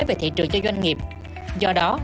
về thị trường cho doanh nghiệp do đó